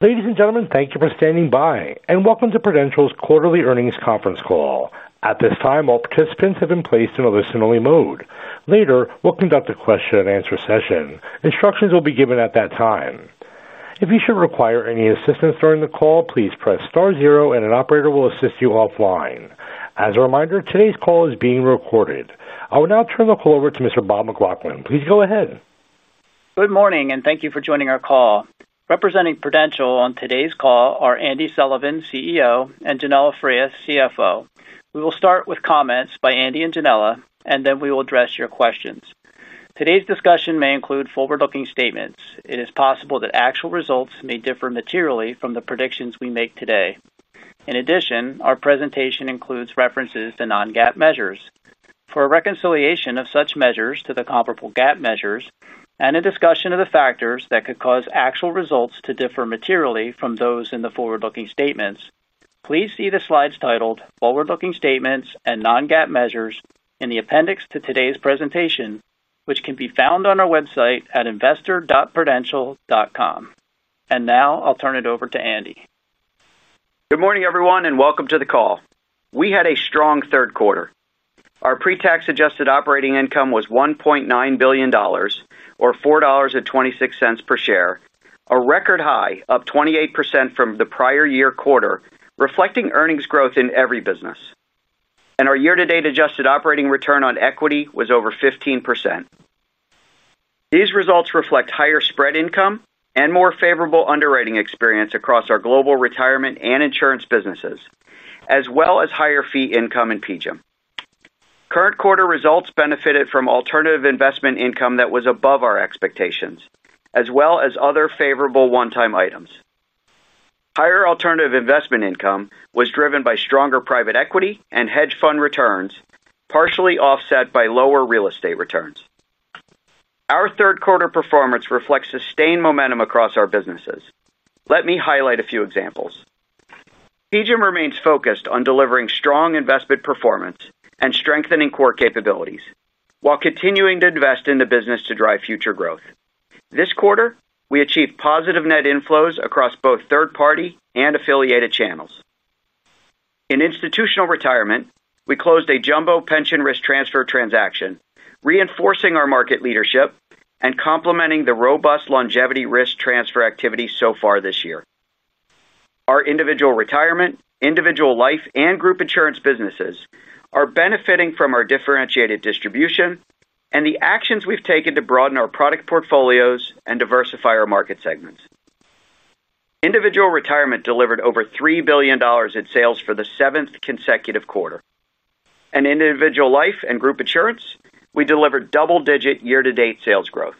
Ladies and Gentlemen, thank you for standing by and welcome to Prudential Financial's Quarterly Earnings Conference Call. At this time, all participants have been placed in a listen only mode. Later, we'll conduct a question and answer session. Instructions will be given at that time. If you should require any assistance during the call, please press *0 and an operator will assist you offline. As a reminder, today's call is being recorded. I will now turn the call over to Mr. Bob McLaughlin. Please go ahead. Good morning and thank you for joining our call. Representing Prudential Financial on today's call are Andy Sullivan, CEO, and Yanela Frias, CFO. We will start with comments by Andy and Yanela and then we will address your questions. Today's discussion may include forward-looking statements. It is possible that actual results may differ materially from the predictions we make today. In addition, our presentation includes references to non-GAAP measures. For a reconciliation of such measures to the comparable GAAP measures, and a discussion of the factors that could cause actual results to differ materially from those in the forward-looking statements, please see the slides titled Forward-Looking Statements and Non-GAAP Measures in the appendix to today's presentation, which can be found on our website at investor.prudential.com. And now I'll turn it over to Andy. Good morning everyone and welcome to the call. We had a strong third quarter. Our pretax adjusted operating income was $1.9 billion, or $4.26 per share, a record high up 28% from the prior year quarter, reflecting earnings growth in every business. Our year-to-date adjusted operating return on equity was over 15%. These results reflect higher spread income and more favorable underwriting experience across our global retirement and insurance businesses, as well as higher fee income in PGIM. Current quarter results benefited from alternative investment income that was above our expectations, as well as other favorable one-time items. Higher alternative investment income was driven by stronger private equity and hedge fund returns, partially offset by lower real estate returns. Our third quarter performance reflects sustained momentum across our businesses. Let me highlight a few examples. PGIM remains focused on delivering strong investment performance and strengthening core capabilities while continuing to invest in the business to drive future growth. This quarter we achieved positive net inflows across both third-party and affiliated channels. In institutional retirement, we closed a jumbo Pension risk transfer transaction, reinforcing our market leadership and complementing the robust longevity risk transfer activity so far this year. Our individual retirement, individual life, and group insurance businesses are benefiting from our differentiated distribution and the actions we've taken to broaden our product portfolios and diversify our market segments. Individual Retirement delivered over $3 billion in sales for the seventh consecutive quarter. In Individual Life and Group Insurance, we delivered double-digit year-to-date sales growth.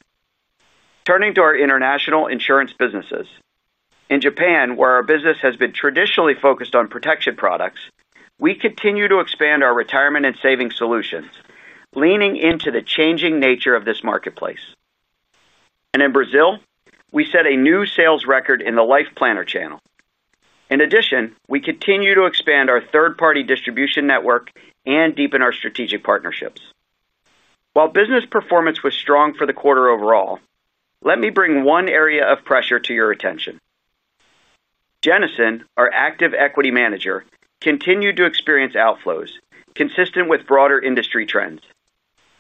Turning to our International Insurance businesses in Japan, where our business has been traditionally focused on protection products, we continue to expand our retirement and savings solutions, leaning into the changing nature of this marketplace. In Brazil, we set a new sales record in the Life Planner channel. In addition, we continue to expand our third-party distribution network and deepen our strategic partnerships. While business performance was strong for the quarter overall, let me bring one area of pressure to your attention. Jennison, our active equity manager, continued to experience outflows consistent with broader industry trends.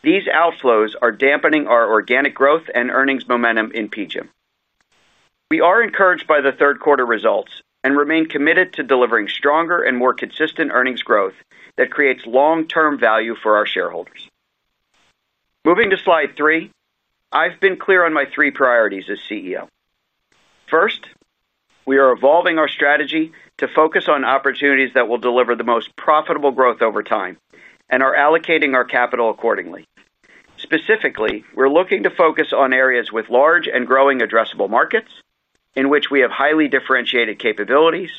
These outflows are dampening our organic growth and earnings momentum in PGIM. We are encouraged by the third quarter results and remain committed to delivering stronger and more consistent earnings growth that creates long-term value for our shareholders. Moving to Slide 3, I've been clear on my three priorities as CEO. First, we are evolving our strategy to focus on opportunities that will deliver the most profitable growth over time and are allocating our capital accordingly. Specifically, we're looking to focus on areas with large and growing addressable markets in which we have highly differentiated capabilities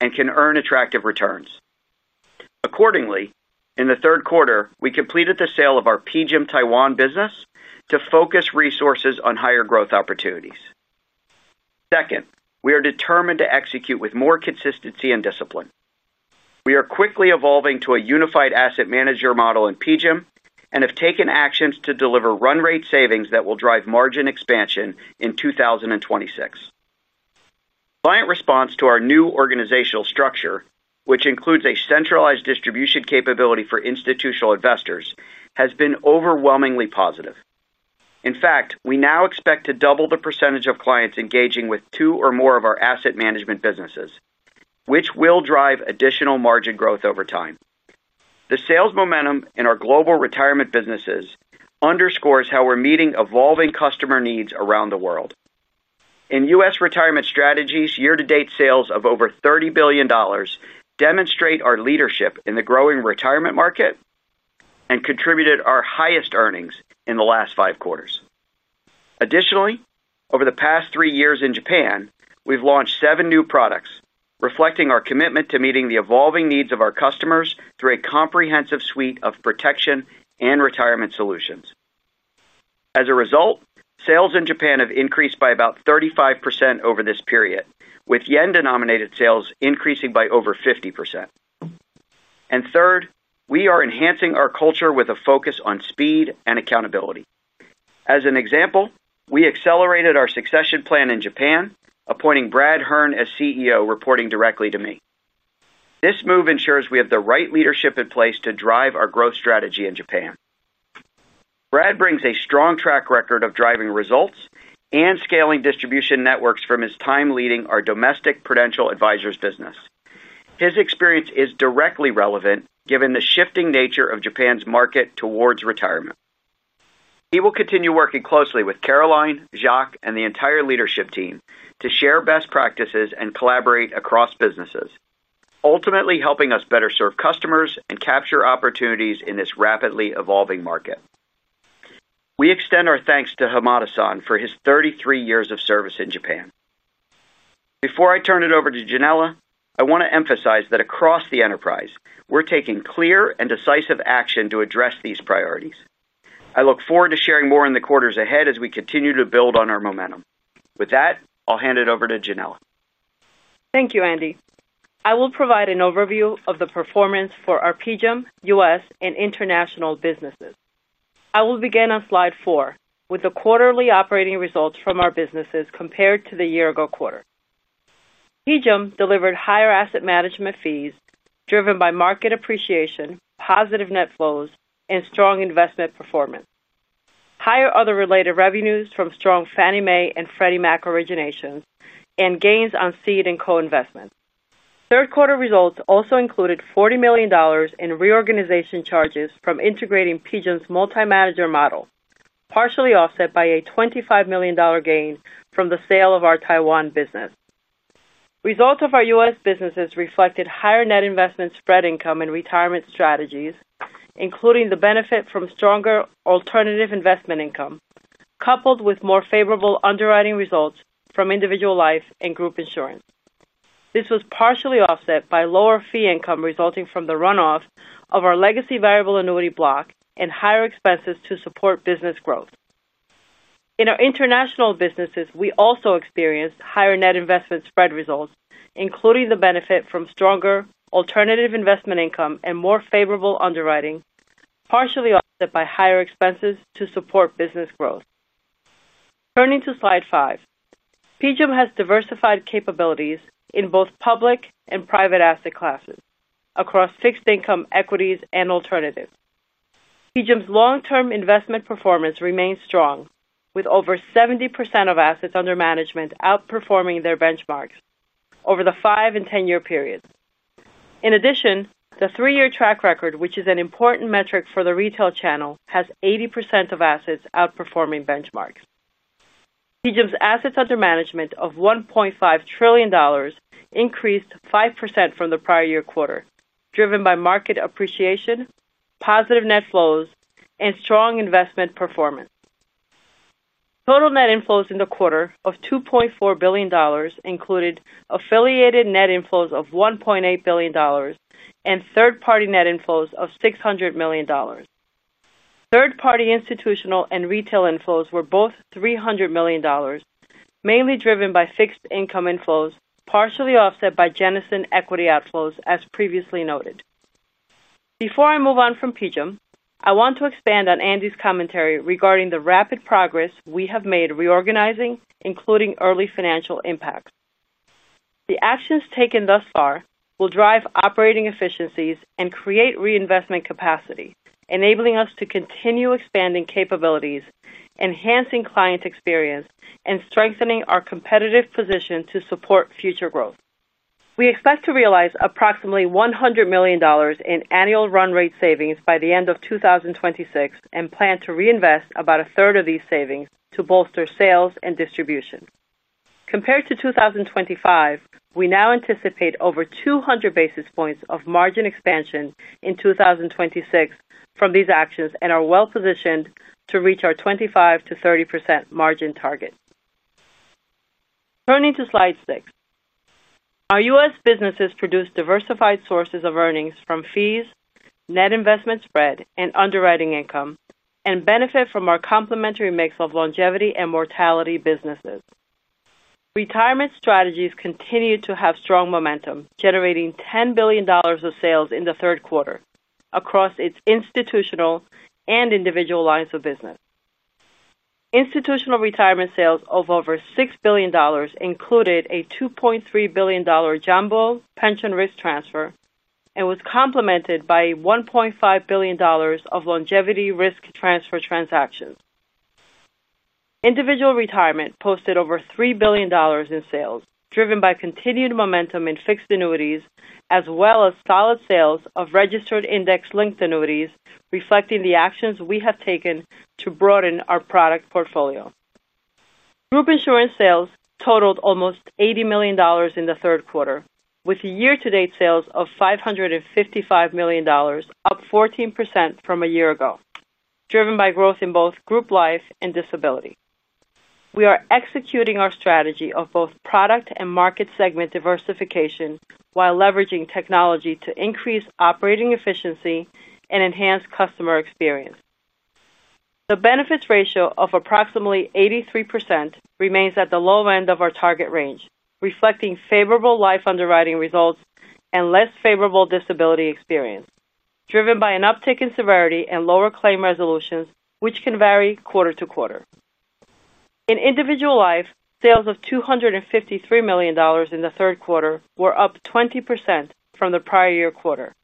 and can earn attractive returns. Accordingly, in the third quarter we completed the sale of our PGIM Taiwan business to focus resources on higher growth opportunities. Second, we are determined to execute with more consistency and discipline. We are quickly evolving to a unified asset manager model in PGIM and have taken actions to deliver run-rate savings that will drive margin expansion in 2026. Client response to our new organizational structure, which includes a centralized distribution capability for institutional investors, has been overwhelmingly positive. In fact, we now expect to double the percentage of clients engaging with two or more of our asset management businesses, which will drive additional margin growth over time. The sales momentum in our global retirement businesses underscores how we're meeting evolving customer needs around the world in U.S. retirement strategies. Year to date, sales of over $30 billion demonstrate our leadership in the growing retirement market and contributed our highest earnings in the last five quarters. Additionally, over the past three years in Japan, we've launched seven new products reflecting our commitment to meeting the evolving needs of our customers through a comprehensive suite of protection and retirement solutions. As a result, sales in Japan have increased by about 35% over this period, with yen-denominated sales increasing by over 50%. Third, we are enhancing our culture with a focus on speed and accountability. For example, we accelerated our succession plan in Japan, appointing Brad Hearn as CEO reporting directly to me. This move ensures we have the right leadership in place to drive our growth strategy in Japan. Brad brings a strong track record of driving results and scaling distribution networks from his time leading our domestic Prudential Advisors business. His experience is directly relevant given the shifting nature of Japan's market towards retirement. He will continue working closely with Caroline, Jacques, and the entire leadership team to share best practices and collaborate across businesses, ultimately helping us better serve customers and capture opportunities in this rapidly evolving market. We extend our thanks to Hamada-san for his 33 years of service in Japan. Before I turn it over to Yanela, I want to emphasize that across the enterprise, we're taking clear and decisive action to address these priorities. I look forward to sharing more in the quarters ahead as we continue to build on our momentum. With that, I'll hand it over to Yanela. Thank you, Andy. I will provide an overview of the performance for our PGIM U.S. and international businesses. I will begin on slide 4 with the quarterly operating results from our businesses. Compared to the year-ago quarter, PGIM delivered higher asset management fees driven by market appreciation, positive net flows, and strong investment performance, higher other related revenues from strong Fannie Mae and Freddie Mac originations, and gains on seed and co-investments. Third quarter results also included $40 million in reorganization charges from integrating PGIM's multi-manager model, partially offset by a $25 million gain from the sale of our Taiwan business. Results of our U.S. businesses reflected higher net investment spread income in retirement strategies, including the benefit from stronger alternative investment income coupled with more favorable underwriting results from individual life and group insurance. This was partially offset by lower fee income resulting from the runoff of our legacy variable annuity block and higher expenses to support business growth. In our international businesses, we also experienced higher net investment spread results, including the benefit from stronger alternative investment income and more favorable underwriting, partially offset by higher expenses to support business growth. Turning to slide 5, PGIM has diversified capabilities in both public and private asset classes across fixed income, equities, and alternatives. PGIM's long-term investment performance remains strong with over 70% of assets under management outperforming their benchmarks over the five- and ten-year period. In addition, the three-year track record, which is an important metric for the retail channel, has 80% of assets outperforming benchmark. PGIM's assets under management of $1.5 trillion increased 5% from the prior-year quarter, driven by market appreciation, positive net flows, and strong investment performance. Total net inflows in the quarter of $2.4 billion included affiliated net inflows of $1.8 billion and third-party net inflows of $600 million. Third-party institutional and retail inflows were both $300 million, mainly driven by fixed income inflows, partially offset by Jennison equity outflows as previously noted. Before I move on from PGIM, I want to expand on Andy's commentary regarding the rapid progress we have made reorganizing, including early financial impacts. The actions taken thus far will drive operating efficiencies and create reinvestment capacity, enabling us to continue expanding capabilities, enhancing client experience, and strengthening our competitive position to support future growth. We expect to realize approximately $100 million in annual run-rate savings by the end of 2026 and plan to reinvest about a third of these savings to bolster sales and distribution compared to 2025. We now anticipate over 200 basis points of margin expansion in 2026 from these actions and are well positioned to reach our 25%-30% margin target. Turning to slide 6, our U.S. businesses produce diversified sources of earnings from fees, net investment, spread, and underwriting income and benefit from our complementary mix of longevity and mortality businesses. Retirement strategies continue to have strong momentum, generating $10 billion of sales in the third quarter across its institutional and individual lines of business. Institutional retirement sales of over $6 billion included a $2.3 billion jumbo Pension risk transfer and was complemented by $1.5 billion of longevity risk transfer transactions. Individual retirement posted over $3 billion in sales, driven by continued momentum in fixed annuities as well as solid sales of registered index-linked annuities, reflecting the actions we have taken to broaden our product portfolio. Group insurance sales totaled almost $80 million in the third quarter with year-to-date sales of $555 million, up 14% from a year ago, driven by growth in both group life and disability. We are executing our strategy of both product and market segment diversification while leveraging technology to increase operating efficiency and enhance customer experience. The benefits ratio of approximately 83% remains at the low end of our target range, reflecting favorable life underwriting results and less favorable disability experience driven by an uptick in severity and lower claim resolutions, which can vary quarter to quarter. In individual life, sales of $253 million in the third quarter were up 20% from the prior year quarter.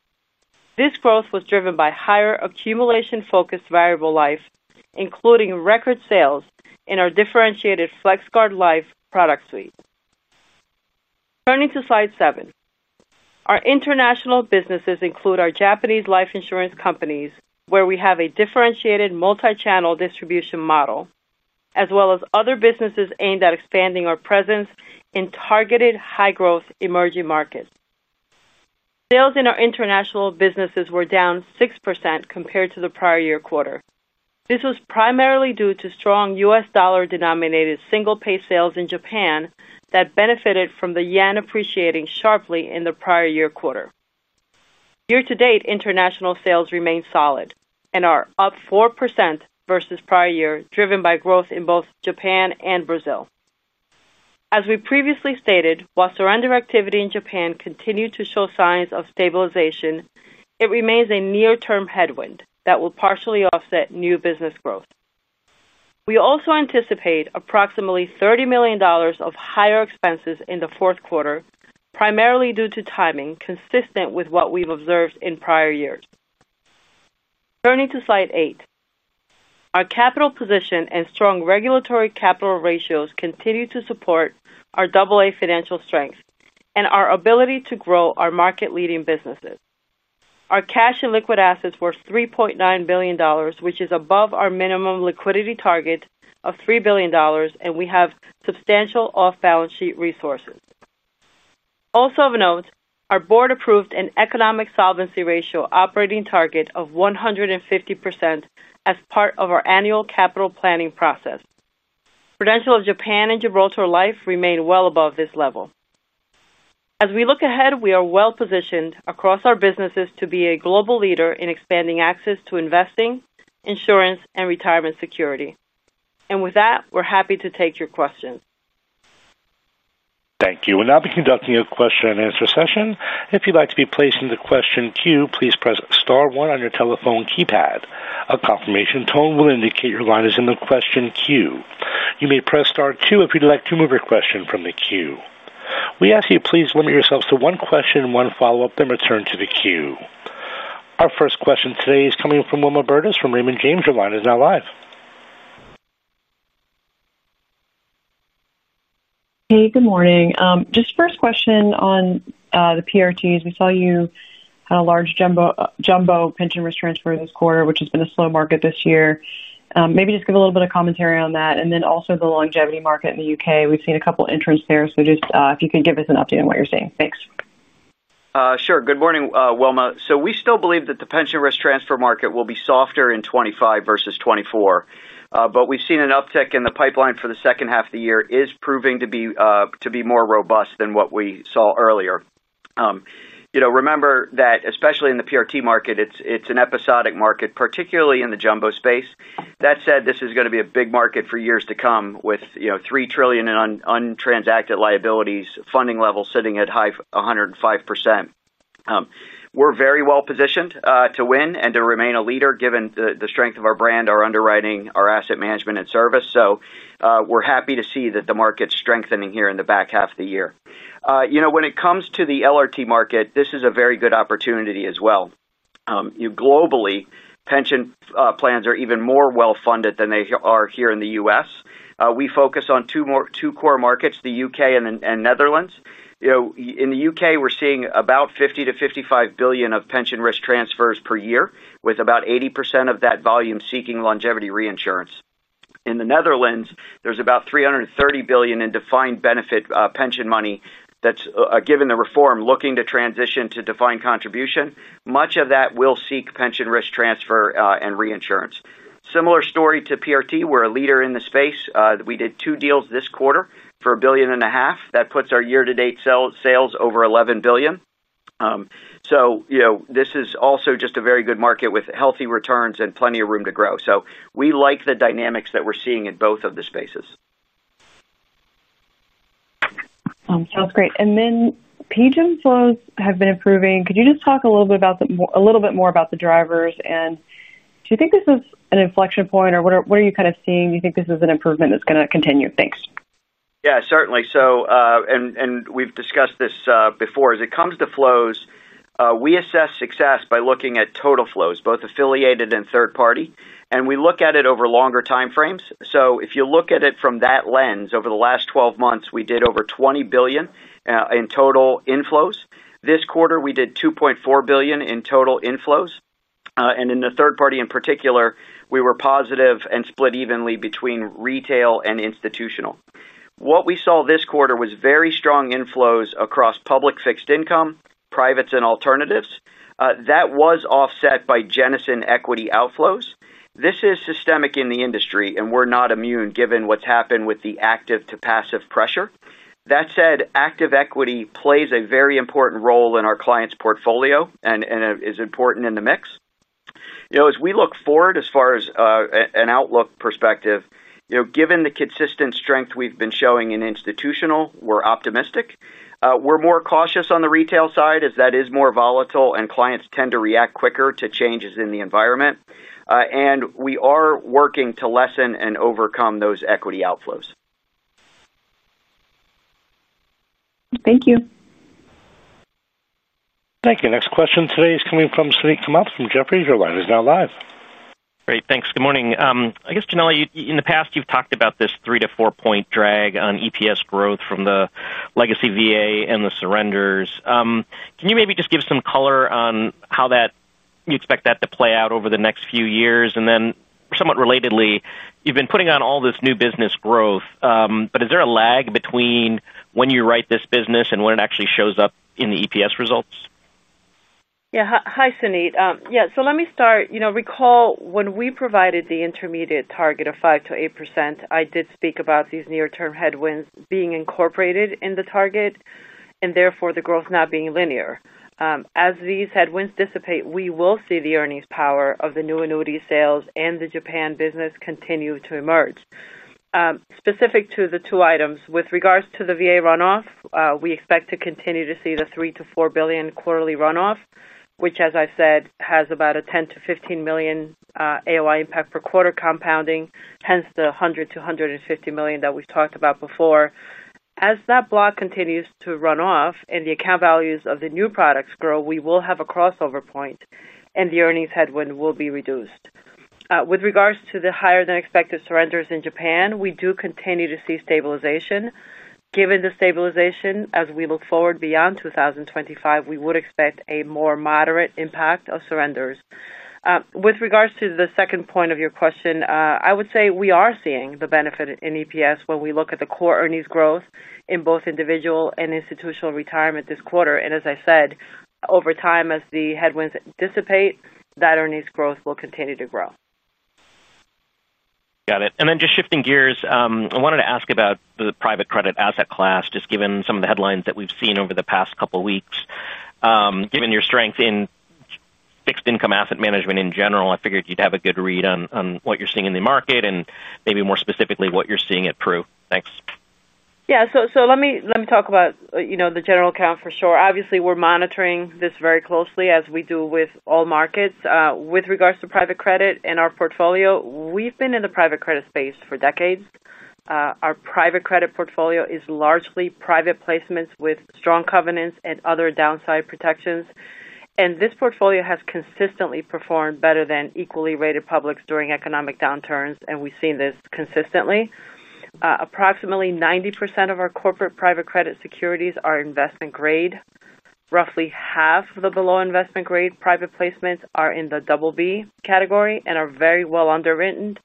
This growth was driven by higher accumulation-focused variable life, including record sales in our differentiated FlexGuard Life product suite. Turning to slide 7, our international businesses include our Japanese life insurance companies, where we have a differentiated multi-channel distribution model, as well as other businesses aimed at expanding our presence in targeted high-growth emerging markets. Sales in our international businesses were down 6% compared to the prior year quarter. This was primarily due to strong U.S. dollar-denominated single pay sales in Japan that benefited from the yen appreciating sharply in the prior year quarter. Year to date, international sales remained solid and are up 4% versus prior year, driven by growth in both Japan and Brazil. As we previously stated, while surrender activity in Japan continued to show signs of stabilization, it remains a near-term headwind that will partially offset new business growth. We also anticipate approximately $30 million of higher expenses in the fourth quarter, primarily due to timing consistent with what we've observed in prior years. Turning to slide 8, our capital position and strong regulatory capital ratios continue to support our AA financial strength and our ability to grow our market-leading businesses. Our cash and liquid assets were $3.9 billion, which is above our minimum liquidity target of $3 billion, and we have substantial off-balance sheet resources. Also of note, our board approved an Economic solvency ratio operating target of 150% as part of our annual capital planning process. Prudential of Japan and Gibraltar Life remain well above this level. As we look ahead, we are well positioned across our businesses to be a global leader in expanding access to investing, insurance, and retirement security. With that, we're happy to take your questions. Thank you. Will now be conducting a question and answer session. If you'd like to be placed in the question queue, please press *1 on your telephone keypad. A confirmation tone will indicate your line is in the question queue. You may press star 2 if you'd like to remove your question from the queue. We ask you please limit yourselves to one question, one follow-up, then return to the queue. Our first question today is coming from Will van Lier from Raymond James. Your line is now live. Hey, good morning. Just first question on the Pension risk transfers. We saw you had a large jumbo. Pension risk transfer this quarter, which has. Been a slow market this year. Maybe just give a little bit of commentary on that. Also, the longevity market in the UK, we've seen a couple entrants there. If you could give us an update on what you're seeing. Thanks. Sure. Good morning, Wilma. We still believe that the Pension risk transfer market will be softer in 2025 versus 2024, but we've seen an uptick in the pipeline for the second half of the year. It is proving to be more robust than what we saw earlier. Remember that especially in the Pension risk transfer market, it's an episodic market, particularly in the jumbo space. That said, this is going to be a big market for years to come with $3 trillion in untransacted liabilities, funding levels sitting at a high 105%. We're very well positioned to win and to remain a leader given the strength of our brand, our underwriting, our asset management, and service. We're happy to see that the market is strengthening here in the back half of the year. When it comes to the longevity reinsurance market, this is a very good opportunity as well. Globally, pension plans are even more well funded than they are here in the U.S. We focus on two core markets, the UK and Netherlands. In the UK, we're seeing about $50 million-$55 billion of Pension risk transfers per year, with about 80% of that volume seeking longevity reinsurance. In the Netherlands, there's about $330 billion in defined benefit pension money. Given the reform, that's looking to transition to defined contribution. Much of that will seek Pension risk transfer and reinsurance. Similar story to Pension risk transfer. We're a leader in the space. We did 2 deals this quarter for $1.5 billion. That puts our year-to-date sales over $11 billion. This is also just a very good market with healthy returns and plenty of room to grow. We like the dynamics that we're seeing in both of the spaces. Sounds great. PGIM flows have been improving. Could you just talk a little bit more about the drivers, and do you think this is an inflection point or what are you kind of seeing? Do you think this is an improvement that's going to continue? Thanks. Yeah, certainly. We've discussed this before. As it comes to flows, we assess success by looking at total flows, both affiliated and third party, and we look at it over longer time frames. If you look at it from that lens, over the last 12 months we did over $20 billion in total inflows. This quarter we did $2.4 billion in total inflows. In the third party in particular, we were positive and split evenly between retail and institutional. What we saw this quarter was very strong inflows across public, fixed income, privates, and alternatives. That was offset by Jennison equity outflows. This is systemic in the industry, and we're not immune given what's happened with the active to passive pressure. That said, active equity plays a very important role in our clients' portfolio and is important in the mix as we look forward as far as an outlook perspective. Given the consistent strength we've been showing in institutional, we're optimistic. We're more cautious on the retail side as that is more volatile and clients tend to react quicker to changes in the environment. We are working to lessen and overcome those equity outflows. Thank you. Thank you. Next question today is coming from Suneet Kamath from Jefferies. Your line is now live. Great, thanks. Good morning. I guess Yanela, in the past you've talked about this 3 point drag-4 point drag on EPS growth from the legacy VA and the surrenders. Can you maybe just give some color on how you expect that to play out over the next few years? Also, somewhat relatedly, you've been putting on all this new business growth, but is there a lag between when you write this business and when it actually shows up in the EPS results? Yeah. Hi Suneet. Yes, let me start. Recall when we provided the intermediate target of 5%-8%, I did speak about these near-term headwinds being incorporated in the target and therefore the growth not being linear. As these headwinds dissipate, we will see the earnings power of the new annuity sales and the Japan business continue to emerge. Specific to the two items, with regards to the VA runoff, we expect to continue to see the $3 billion-$4 billion quarterly runoff, which as I said has about a $10 million-$15 million adjusted operating income impact per quarter compounding, hence the $100 million-$150 million that we talked about before. As that block continues to run off and the account values of the new products grow, we will have a crossover point and the earnings headwind will be reduced. With regards to the higher than expected surrenders in Japan, we do continue to see stabilization. Given the stabilization, as we look forward beyond 2025, we would expect a more moderate impact of surrenders. With regards to the second point of your question, I would say we are seeing the benefit in EPS when we look at the core earnings growth in both individual and institutional retirement this quarter, and as I said, over time, as the headwinds dissipate, that earnings growth will continue to grow. Got it. Just shifting gears, I wanted to ask about the private credit asset class. Given some of the headlines that we've seen over the past couple weeks, given your strength in fixed income asset management in general, I figured you'd have a good read on what you're seeing in the market and maybe more specifically what you're seeing at PGIM. Thanks. Yeah, let me talk about the general account for sure. Obviously, we're monitoring this very closely, as we do with all markets. With regards to private credit and our portfolio, we've been in the private credit space for decades. Our private credit portfolio is largely private placements with strong covenants and other downside protections. This portfolio has consistently performed better than equally rated publics during economic downturns. We've seen this consistently. Approximately 90% of our corporate private credit securities are investment grade. Roughly half of the below investment grade private placements are in the double B category and are very well underwritten.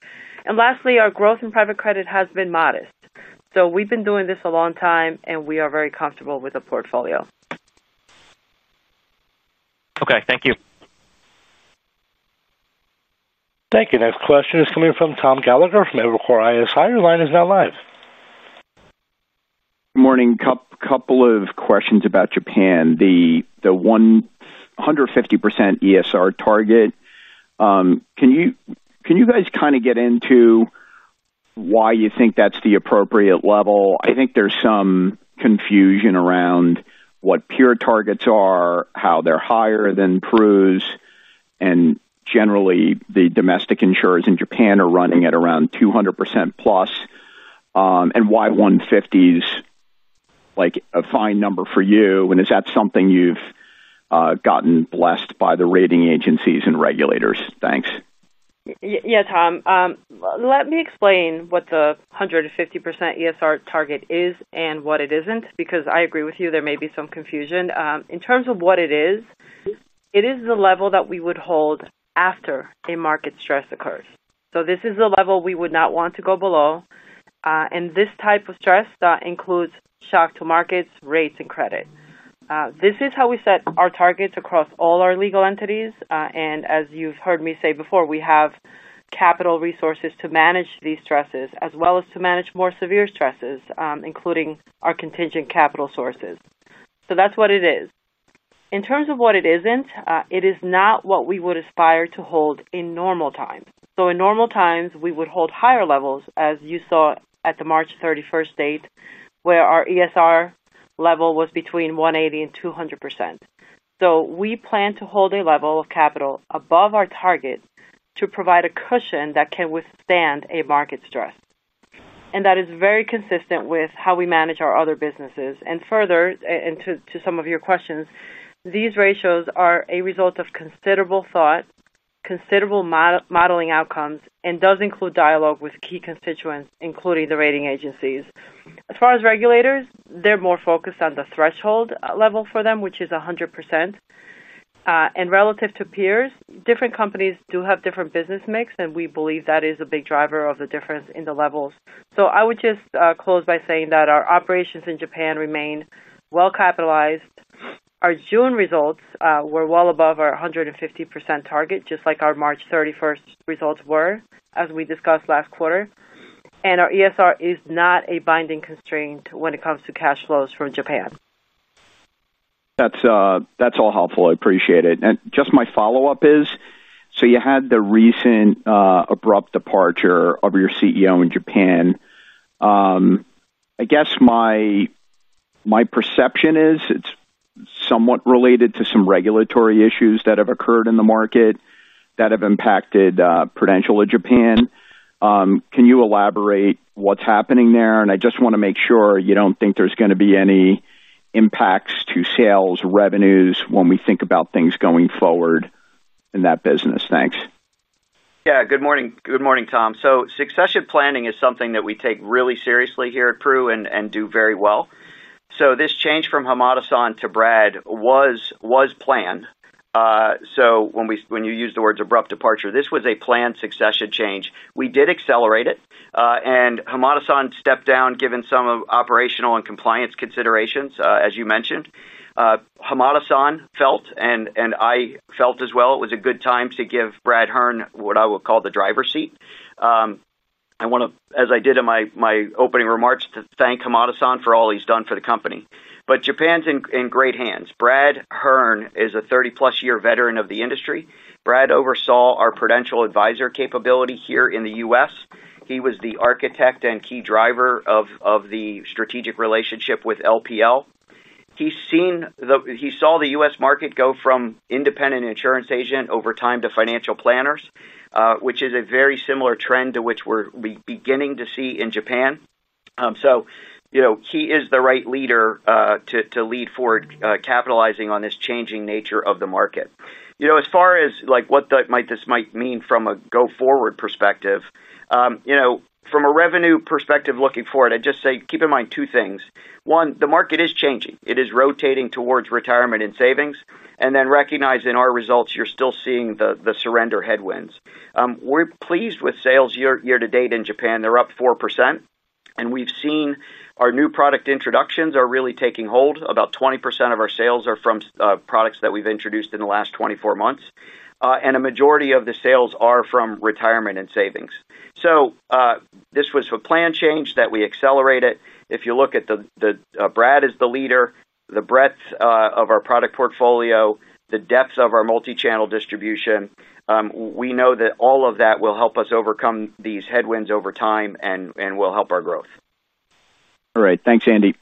Lastly, our growth in private credit has been modest. We've been doing this a long time and we are very comfortable with the portfolio. Okay, thank you. Thank you. Next question is coming from Tom Gallagher from Evercore ISI. Your line is now live. Good morning. Couple of questions about Japan, the 150% Economic solvency ratio target. Can you guys kind of get into why you think that's the appropriate level? I think there's some confusion around what peer targets are, how they're higher than Prudential Financial's, and generally the domestic insurers in Japan are running at around 200%+. Why 150% is a fine number for you. Is that something you've gotten blessed by the rating agencies and regulators? Thanks. Yeah. Tom, let me explain what the 150% ESR target is and what it isn't because I agree with you there may be some confusion in terms of what it is. It is the level that we would hold after a market stress occurs. This is the level we would not want to go below. This type of stress includes shock to markets, rates, and credit. This is how we set our targets across all our legal entities. As you've heard me say before, we have capital resources to manage these stresses as well as to manage more severe stresses, including our contingent capital sources. That's what it is. In terms of what it isn't, it is not what we would aspire to hold in normal times. In normal times we would hold higher levels, as you saw at the March 31 date, where our ESR level was between 180 and 200%. We plan to hold a level of capital above our target to provide a cushion that can withstand a market stress, and that is very consistent with how we manage our other businesses. Further, and to some of your questions, these ratios are a result of considerable thought, considerable modeling outcomes, and include dialogue with key constituents, including the rating agencies. As far as regulators, they're more focused on the threshold level for them which is 100% and relative to peers. Different companies do have different business mix and we believe that is a big driver of the difference in the levels. I would just close by saying that our operations in Japan remain well capitalized. Our June results were well above our 150% target just like our March 31 results were as we discussed last quarter. Our ESR is not a binding constraint when it comes to cash flows from Japan. That's all helpful, I appreciate it. Just my follow up is, you had the recent abrupt departure of your CEO in Japan. I guess my perception is it's somewhat related to some regulatory issues that have occurred in the market that have impacted Prudential of Japan. Can you elaborate what's happening there? I just want to make sure you don't think there's going to be any impacts to sales revenues when we think about things going forward in that business. Thanks. Yeah. Good morning, Tom. Succession planning is something that we take really seriously here at PRU and do very well. This change from Hamada-san to Brad was planned. When you use the words abrupt departure, this was a planned succession change. We did accelerate it and Hamada-san stepped down. Given some operational and compliance considerations, as you mentioned, Hamada-san felt, and I felt as well, it was a good time to give Brad Hearn what I would call the driver's seat. As I did in my opening remarks, I want to thank Hamada-san for all he's done for the company. Japan's in great hands. Brad Hearn is a 30+ year veteran of the industry. Brad oversaw our Prudential Advisors capability here in the U.S. He was the architect and key driver of the strategic relationship with LPL. He saw the U.S. market go from independent insurance agent over time to financial planners, which is a very similar trend to what we're beginning to see in Japan. He is the right leader to lead forward, capitalizing on this changing nature of the market. As far as what this might mean from a go forward perspective, from a revenue perspective looking forward, I'd just say keep in mind two things. One, the market is changing, it is rotating towards retirement and savings, and then recognize in our results you're still seeing the surrender headwinds. We're pleased with sales year to date in Japan. They're up 4% and we've seen our new product introductions are really taking hold. About 20% of our sales are from products that we've introduced in the last 24 months, and a majority of the sales are from retirement and savings. This was a planned change that we accelerated. If you look at Brad as the leader, the breadth of our product portfolio, the depth of our multichannel distribution, we know that all of that will help us overcome these headwinds over time and will help our growth. All right, thanks, Andy.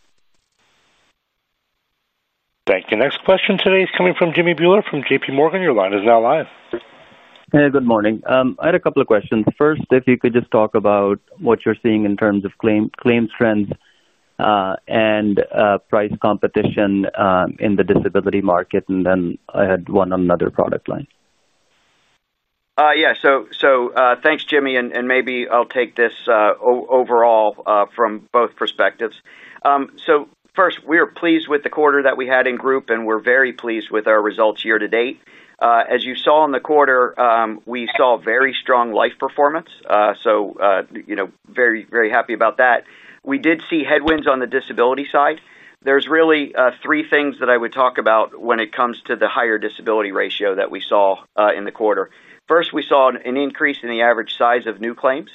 Thank you. Next question today is coming from Jimmy Bhullar from JPMorgan. Your line is now live. Hey, good morning. I had a couple of questions. First, if you could just talk about what you're seeing in terms of claims trends and price competition in the disability market. I had one. Another product line. Yeah, thanks, Jimmy. Maybe I'll take this overall from both perspectives. First, we are pleased with the quarter that we had in group and we're very pleased with our results year to date. As you saw in the quarter, we saw very strong life performance. Very, very happy about that. We did see headwinds on the disability side. There are really three things that I would talk about when it comes to the higher disability ratio that we saw in the quarter. First, we saw an increase in the average size of new claims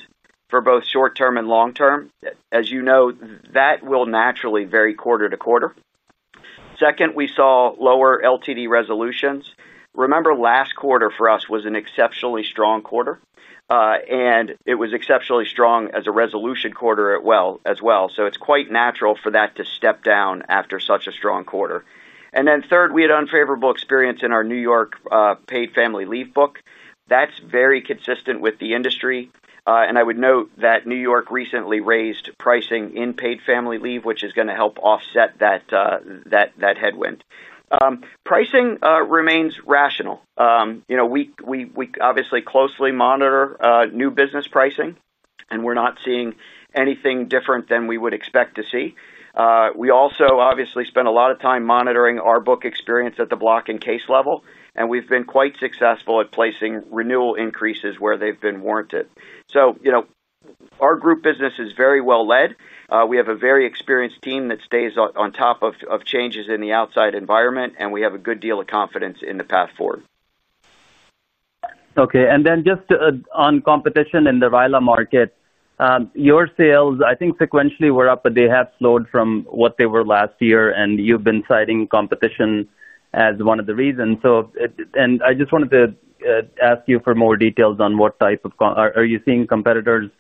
for both short term and long term. As you know, that will naturally vary quarter to quarter. Second, we saw lower LTD resolutions. Remember, last quarter for us was an exceptionally strong quarter and it was exceptionally strong as a resolution quarter as well. It's quite natural for that to step down after such a strong quarter. Third, we had unfavorable experience in our New York paid family leave book that's very consistent with the industry. I would note that New York recently raised pricing in paid family leave, which is going to help offset that headwind. Pricing remains rational. We obviously closely monitor new business pricing and we're not seeing anything different than we would expect to see. We also obviously spent a lot of time monitoring our book experience at the block and case level. We've been quite successful at placing renewal increases where they've been warranted. Our group business is very well led. We have a very experienced team that stays on top of changes in the outside environment and we have a good deal of confidence in the path forward. Okay. On competition in the registered index-linked annuity (RILA) market, your sales, I think sequentially were up, but they have slowed from what they were last year and you've been citing competition as one of the reasons. I just wanted to ask you for more details on what type of competition. Are you seeing competitors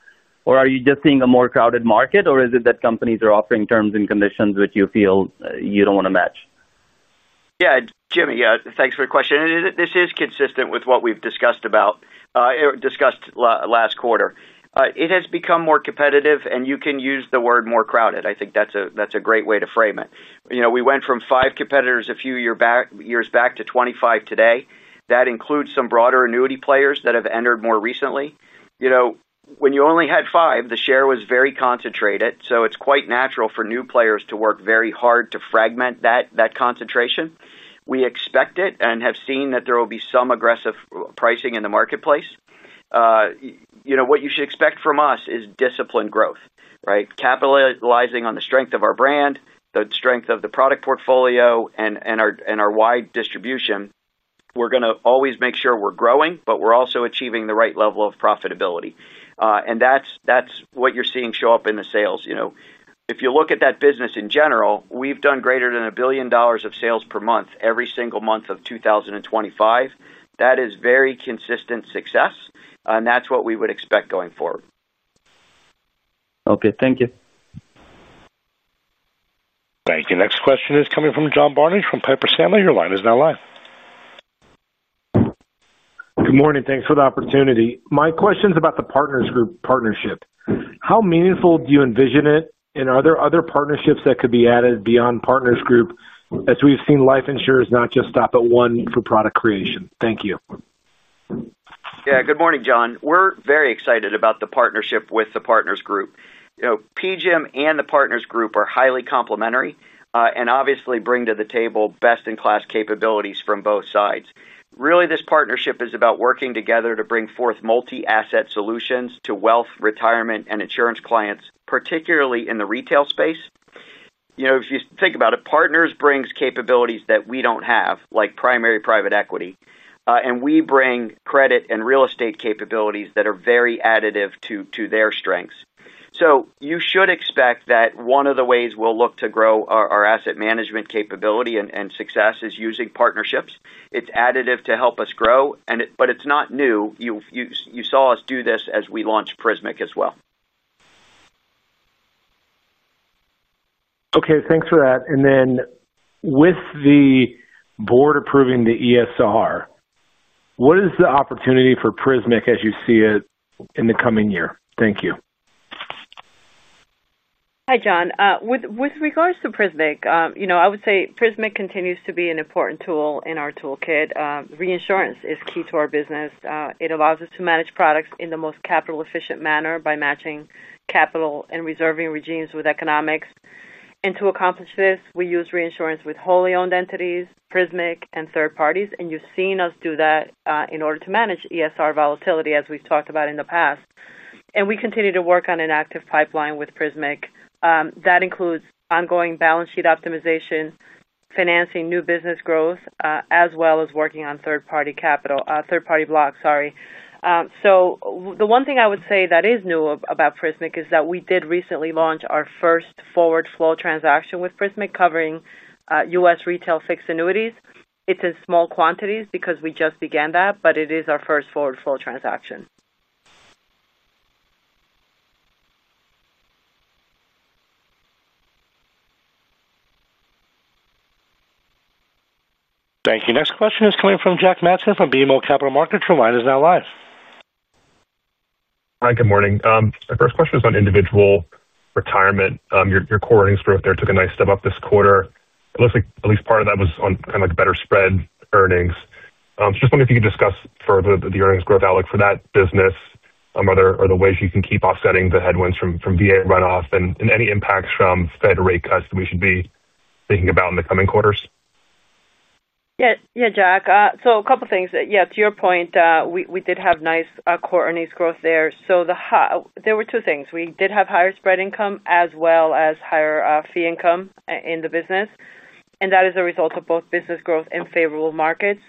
or are you just seeing a more crowded market or is it that companies are offering terms and conditions which you feel you don't want to match? Yeah, Jimmy, thanks for the question. This is consistent with what we've discussed last quarter. It has become more competitive and you can use the word more crowded. I think that's a great way to frame it. We went from five competitors a few years back to 25 today. That includes some broader annuity players that have entered more recently. You know, when you only had 5, the share was very concentrated. It's quite natural for new players to work very hard to fragment that concentration. We expect it and have seen that there will be some aggressive pricing in the marketplace. What you should expect from us is disciplined growth, capitalizing on the strength of our brand, the strength of the product portfolio, and our wide distribution. We're going to always make sure we're growing, but we're also achieving the right level of profitability. That's what you're seeing show up in the sales. If you look at that business in general, we've done greater than $1 billion of sales per month every single month of 2025. That is very consistent success and that's what we would expect going forward. Okay, thank you. Thank you. Next question is coming from John Barnidge from Piper Sandler. Your line is now live. Good morning. Thanks for the opportunity. My question is about the Partners Group partnership. How meaningful do you envision it, and are there other partnerships that could be added beyond Partners Group? As we've seen life insurers not just stop at one for product creation. Thank you. Yeah, good morning, John. We're very excited about the partnership with Partners Group. PGIM and Partners Group are highly complementary and obviously bring to the table best-in-class capabilities from both sides. Really, this partnership is about working together to bring forth multi-asset solutions to wealth, retirement, and insurance clients, particularly in the retail space. You know, if you think about it, Partners brings capabilities that we don't have, like primary private equity, and we bring credit and real estate capabilities that are very additive to their strengths. You should expect that one of the ways we'll look to grow our asset management capability and success is using partnerships. It's additive to help us grow, but it's not new. You saw us do this as we launched Prismic as well. Okay, thanks for that. With the board approving the ESR, what is the opportunity for Prismic as you see it in the coming year? Thank you. Hi, John. With regards to Prismic, I would say Prismic continues to be an important tool in our toolkit. Reinsurance is key to our business. It allows us to manage products in the most capital efficient manner by matching capital and reserving regimes with economics. To accomplish this we use reinsurance with wholly owned entities, Prismic and third parties. You have seen us do that in order to manage ESR volatility as we've talked about in the past. We continue to work on an active pipeline with Prismic that includes ongoing balance sheet optimization, financing new business growth as well as working on third party capital, third party blocks. The one thing I would say that is new about Prismic is that we did recently launch our first forward flow transaction with Prismic covering U.S. retail fixed annuities. It's in small quantities because we just began that, but it is our first forward flow transaction. Thank you. Next question is coming from Jack Matton from BMO Capital Markets. Your line is now live. Hi, good morning. My first question is on individual retirement. Your core earnings growth there took a nice step up this quarter. It looks like at least part of that was on kind of like better spread earnings. Just wondering if you could discuss further the earnings growth outlook for that business, are there ways you can keep offsetting the headwinds from VA runoff and any impacts from Fed rate cuts that we should be thinking about in the coming quarters. Yeah, Jack, a couple things. To your point, we did have nice quarter earnings growth there. There were two things. We did have higher spread income as well as higher fee income in the business. That is a result of both business growth and favorable markets.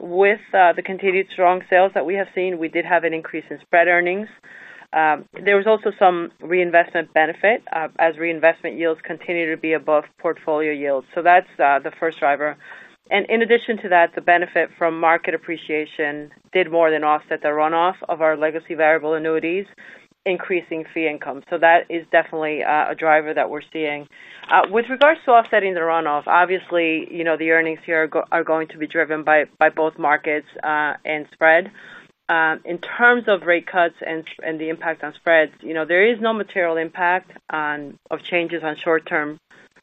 With the continued strong sales that we have seen, we did have an increase in spread earnings. There was also some reinvestment benefit as reinvestment yields continue to be above portfolio yields. That's the first driver. In addition to that, the benefit from market appreciation did more than offset the runoff of our legacy variable annuities, increasing fee income. That is definitely a driver that we're seeing with regards to offsetting the runoff. Obviously, you know the earnings here are going to be driven by both markets and spread. In terms of rate cuts and the impact on spreads, there is no material impact of changes on short term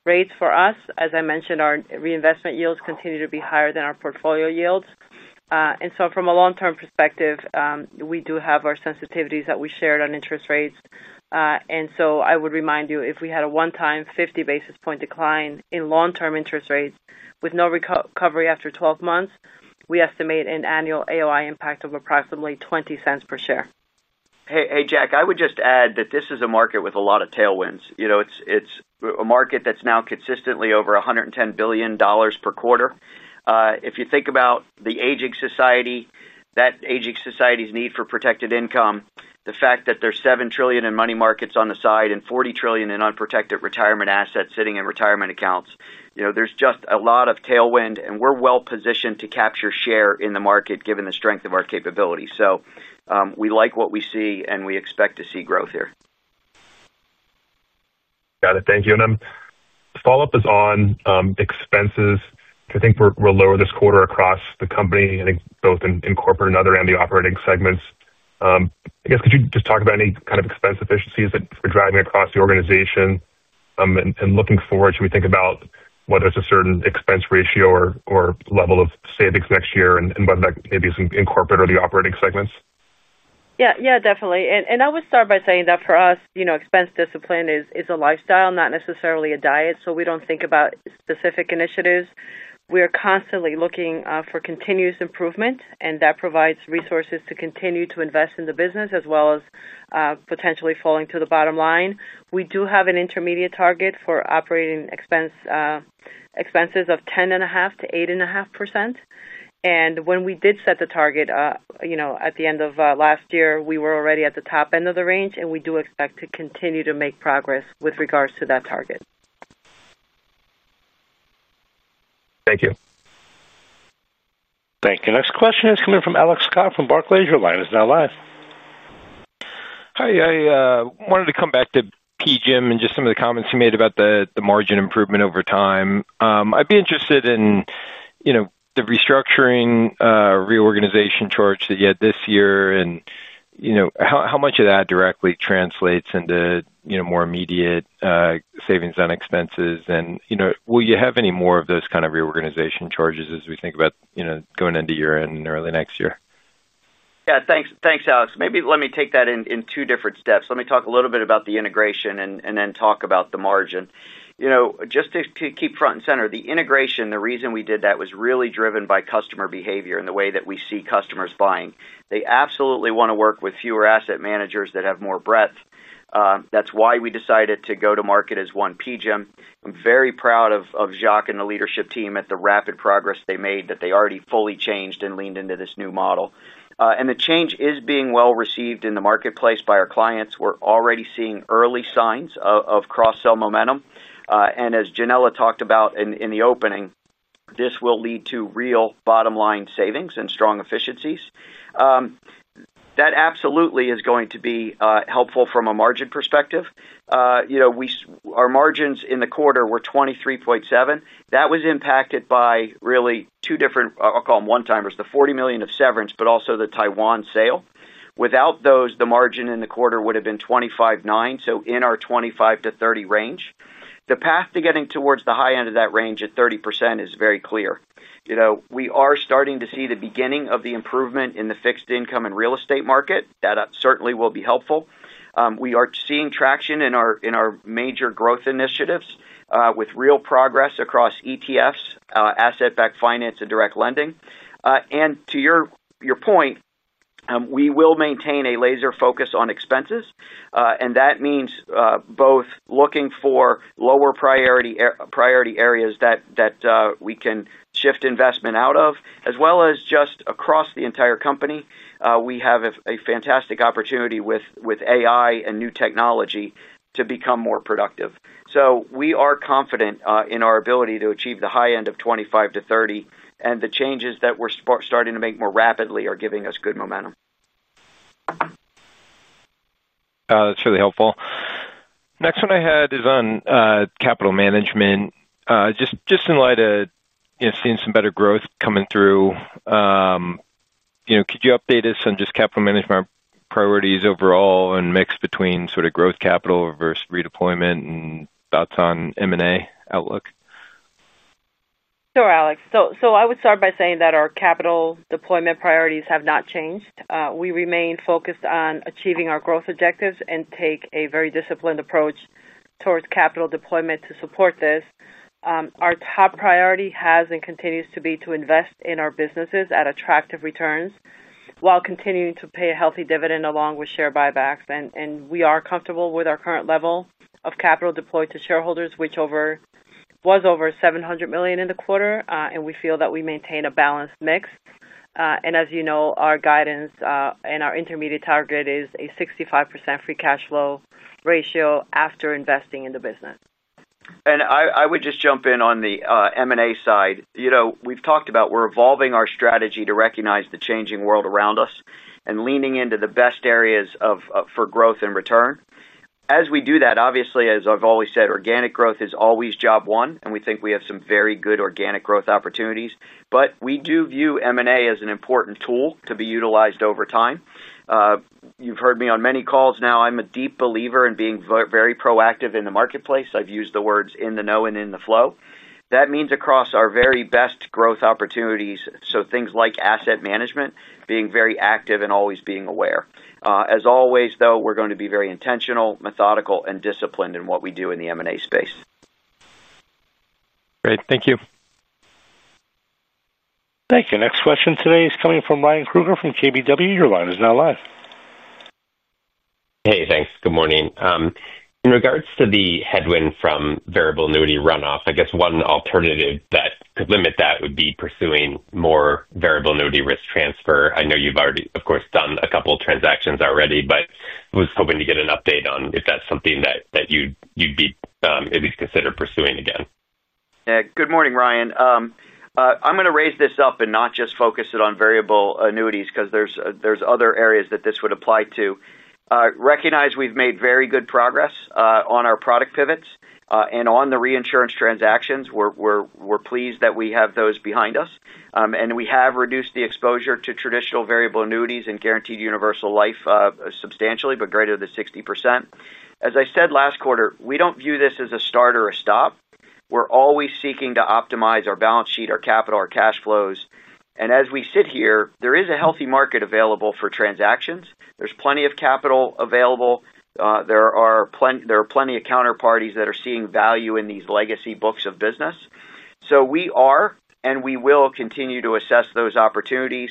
rates for us. As I mentioned, our reinvestment yields continue to be higher than our portfolio yields. From a long term perspective, we do have our sensitivities that we shared on interest rates. I would remind you if we had a one time 50 basis point decline in long term interest rates with no recovery after 12 months, we estimate an annual AOI impact of approximately $0.20 per share. Hey, Jack, I would just add that this is a market with a lot of tailwinds. It's a market that's now consistently over $110 billion per quarter. If you think about the aging society, that aging society's need for protected income, the fact that there's $7 trillion in money markets on the side and $40 trillion in unprotected retirement assets sitting in retirement accounts, there's just a lot of tailwind and we're well positioned to capture share in the market given the strength of our capabilities. We like what we see and we expect to see growth here. Got it. Thank you. The follow up is on expenses. I think we're lower this quarter across the company, I think, both in Corporate and Other, and the operating segments. Could you just talk about any kind of expense efficiencies that we're driving across the organization? Looking forward, should we think about whether it's a certain expense ratio or level of savings next year and whether that maybe is in Corporate or the operating segments? Yeah, definitely. I would start by saying that for us, you know, expense discipline is a lifestyle, not necessarily a diet. We don't think about specific initiatives. We are constantly looking for continuous improvement, and that provides resources to continue to invest in the business as well as potentially falling to the bottom line. We do have an intermediate target for operating expenses of 10.5%-8.5%. When we did set the target, you know, at the end of last year, we were already at the top end of the range. We do expect to continue to make progress with regards to that target. Thank you. Thank you. Next question is coming from Alex Scott from Barclays. Your line is now live. Hi. I wanted to come back to PGIM and just some of the comments you made about the margin improvement over time. I'd be interested in the restructuring, reorganization charge that you had this year and how much of that directly translates into more immediate savings on expenses and will you have any more of those kind of reorganization charges as we think about going into year end and early next year? Yeah, thanks, Alex. Maybe let me take that in two different steps. Let me talk a little bit about the integration and then talk about the margin just to keep front and center, the integration. The reason we did that was really driven by customer behavior and the way that we see customers buying. They absolutely want to work with fewer asset managers that have more breadth. That's why we decided to go to market as one PGIM. Very proud of Jacques and the leadership team at the rapid progress they made that they already fully changed and leaned into this new model, and the change is being well received in the marketplace by our clients. We're already seeing early signs of cross-sell momentum, and as Yanela talked about in the opening, this will lead to real bottom line savings and strong efficiencies. That absolutely is going to be helpful from a margin perspective. You know our margins in the quarter were 23.7%. That was impacted by really two different, I'll call them one-timers, the $40 million of severance but also the Taiwan sale. Without those, the margin in the quarter would have been 25.9%. In our 25%-30% range, the path to getting towards the high end of that range at 30% is very clear. You know we are starting to see the beginning of the improvement in the fixed income and real estate market. That certainly will be helpful. We are seeing traction in our major growth initiatives with real progress across ETFs, asset-backed finance, and direct lending. To your point, we will maintain a laser focus on expenses, and that means both looking for lower priority areas that we can shift investment out of as well as just across the entire company. We have a fantastic opportunity with AI and new technology to become more productive. We are confident in our ability to achieve the high end of 25%-30%, and the changes that we're starting to make more rapidly are giving us good momentum. That's really helpful. Next one I had is on capital management. Just in light of seeing some better growth coming through, could you update us on just capital management priorities overall and mix between growth capital versus redeployment and thoughts on M&A outlook? Sure, Alex. I would start by saying that our capital deployment priorities have not changed. We remain focused on achieving our growth objectives and take a very disciplined approach towards capital deployment to support this. Our top priority has and continues to be to invest in our businesses at attractive returns while continuing to pay a healthy dividend along with share buybacks. We are comfortable with our current level of capital deployed to shareholders, which was over $700 million in the quarter. We feel that we maintain a balanced mix, and as you know, our guidance and our intermediate target is a 65% free cash flow ratio after investing. In the business. And I would just jump in on the M&A side. You know we've talked about we're evolving our strategy to recognize the changing world around us and leaning into the best areas for growth and return as we do that. Obviously, as I've always said, organic growth is always job one. We think we have some very good organic growth opportunities. We do view M&A as an important tool to be utilized over time. You've heard me on many calls now. I'm a deep believer in being very proactive in the marketplace. I've used the words in the know and in the flow. That means across our very best growth opportunities, so things like asset management, being very active and always being aware. As always, though, we're going to be very intentional, methodical, and disciplined in what we do in the M&A space. Great.Thank you. Thank you. Next question today is coming from Ryan Krueger from KBW. Your line is now live. Hey, thanks. Good morning. In regards to the headwind from variable. Annuity runoff, I guess one alternative to that. Could limit that would be pursuing more variable annuity risk transfer. I know you've already, of course, done a couple transactions already, but was hoping to get an update on if that's something that you'd be at least consider pursuing again. Good morning, Ryan. I'm going to raise this up and not just focus it on variable annuities because there's other areas that this would apply to recognize. We've made very good progress on our product pivots and on the reinsurance transactions. We're pleased that we have those behind us and we have reduced the exposure to traditional variable annuities and guaranteed universal life substantially, by greater than 60%. As I said last quarter, we don't view this as a start or a stop. We're always seeking to optimize our balance sheet, our capital, our cash flows. As we sit here, there is a healthy market available for transactions. There's plenty of capital available. There are plenty of counterparties that are seeing value in these legacy books of business. We are and we will continue to assess those opportunities.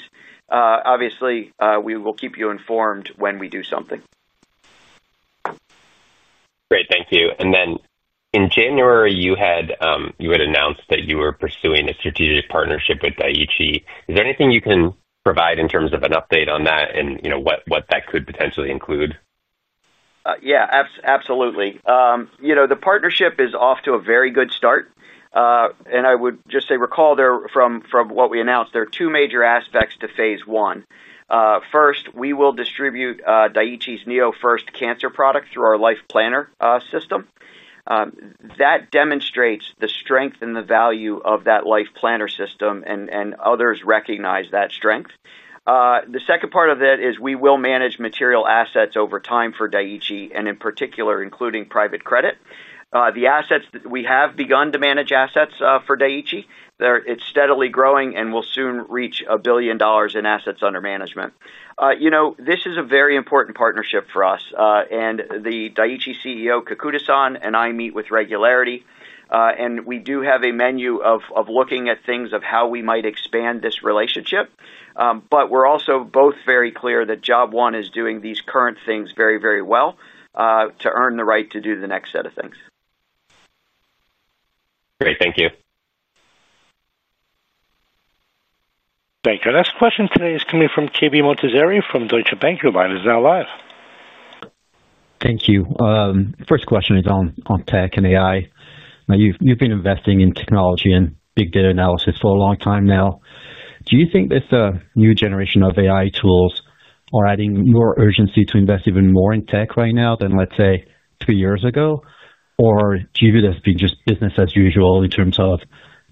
Obviously, we will keep you informed when we do something. Great. Thank you. In January, you had announced that you were pursuing a strategic partnership with Dai-ichi Life. Is there anything you can provide in terms of an update on that and what that could potentially include? Yeah, absolutely. The partnership is off to a very good start. I would just say recall from what we announced. There are two major aspects to phase one. First, we will distribute Dai-ichi Life's Neo First Cancer product through our Life Planner system. That demonstrates the strength and the value of that Life Planner system. Others recognize that strength. The second part of that is we will manage material assets over time for Dai-ichi Life and in particular including private credit, the assets we have begun to manage assets for Dai-ichi Life there. It's steadily growing and will soon reach $1 billion in assets under management. This is a very important partnership for us and the Dai-ichi Life CEO Kakuda San and I meet with regularity and we do have a menu of looking at things of how we might expand this relationship. We're also both very clear that job one is doing these current things very, very well to earn the right to do the next set of things. Great, thank you. Thank you. Our next question today is coming from K.V. Monteserri from Deutsche Bank. You are now live. Thank you. First question is on tech and AI. Now you've been investing in technology and big data analysis for a long time now. Do you think this new generation of. AI tools are adding more urgency to. Invest even more in tech right now than let's say three years ago? Do you view this being just. Business as usual in terms of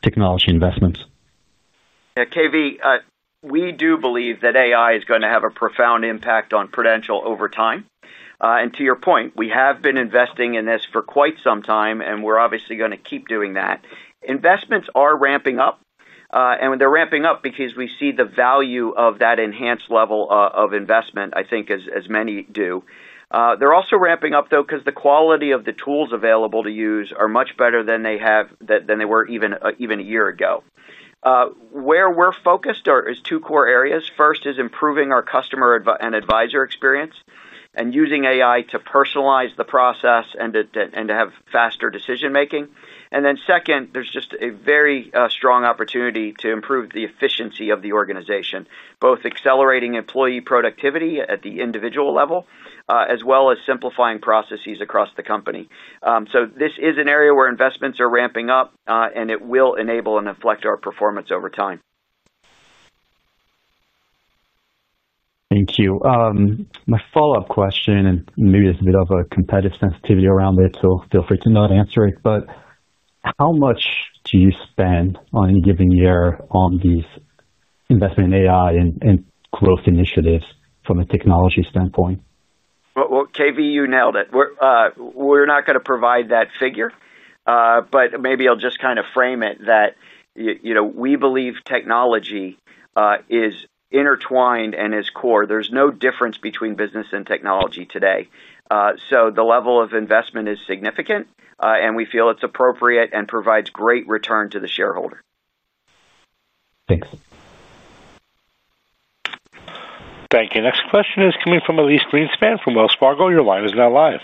technology investments? KV, we do believe that AI is going to have a profound impact on Prudential Financial over time. To your point, we have been investing in this for quite some time and we're obviously going to keep doing that. Investments are ramping up and they're ramping up because we see the value of that enhanced level of investment. I think as many do. They're also ramping up, though, because the quality of the tools available to use are much better than they were even a year ago. Where we're focused is two core areas. First is improving our customer and advisor experience and using AI to personalize the process and to have faster decision making. Then second, there's just a very strong opportunity to improve the efficiency of the organization, both accelerating employee productivity at the individual level as well as simplifying processes across the company. This is an area where investments are ramping up and it will enable and inflect our performance over time. Thank you. My follow up question, and maybe there's a bit of a competitive sensitivity around it, so feel free to not answer it, but how much do you spend on any given year on these investments in AI and growth initiatives from a technology standpoint? KV, you nailed it. We're not going to provide that figure, but maybe I'll just kind of frame it that, you know, we believe technology is intertwined and is core. There's no difference between business and technology today. The level of investment is significant and we feel it's appropriate and provides great return to the shareholders. Thanks. Thank you. Next question is coming from Elyse Greenspan from Wells Fargo. Your line is now live.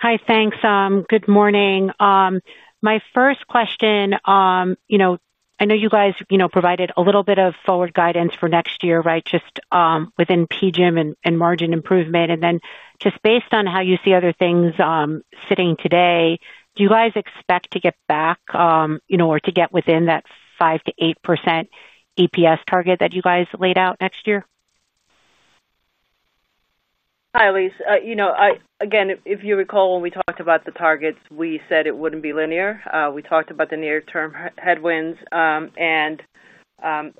Hi, thanks. Good morning. My first question, I know you guys provided a little bit of forward guidance for next year, right? Just within PGIM and margin improvement. Based on how you see other things sitting today, do you guys expect to get back, you know, or to get within that 5%-8% EPS target that you guys laid out next year? Hi Elyse. You know, again, if you recall, when we talked about the targets, we said it wouldn't be linear. We talked about the near term headwinds, and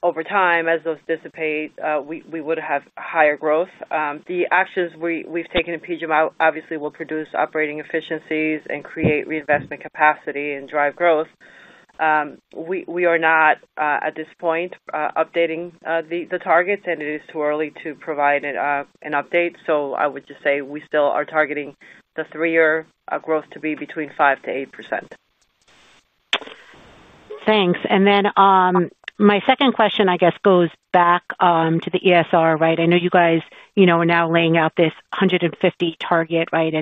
over time as those dissipate, we would have higher growth. The actions we've taken in PGIM obviously will produce operating efficiencies, increase, create reinvestment capacity, and drive growth. We are not at this point updating the targets, and it is too early to provide an update. I would just say we still are targeting the three year growth to be between 5%-8%. Thanks. My second question I guess goes back to the ESR, right? I know you guys are now laying out this 150 target, right?